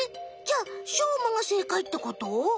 じゃあしょうまがせいかいってこと？